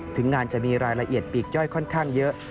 ถึงงานจะมีรายละเอียดปีกย่อยค่อนข้างเยอะ